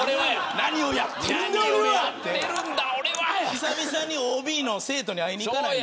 ひさびさにＯＢの生徒に会いに行かないんで。